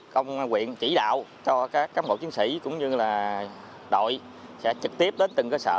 công nguyện chỉ đạo cho các bộ chiến sĩ cũng như là đội sẽ trực tiếp đến từng cơ sở